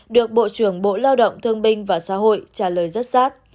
được bộ trưởng bộ lao động thương binh và xã hội trả lời rất xác